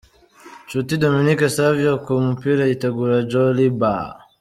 Nshuti Dominique Savio ku mupira yitegura Djoliba .